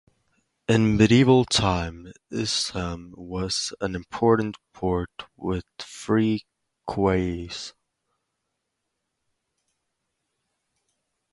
In medieval times, Isleham was an important port with three quays.